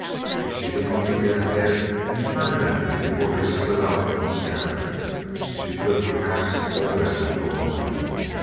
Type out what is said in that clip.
If only she could get ahead and turn them before they split up and scattered she could perhaps hold them until morning.